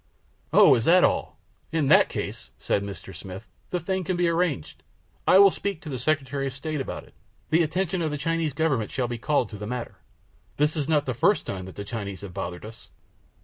"O, is that all? In that case," said Mr. Smith, "the thing can be arranged. I will speak to the Secretary of State about it. The attention of the Chinese government shall be called to the matter. This is not the first time that the Chinese have bothered us."